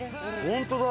本当だ！